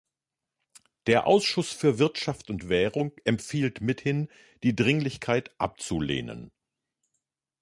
Der Ausschuss für Wirtschaft und Währung empfiehlt mithin, die Dringlichkeit abzulehnen.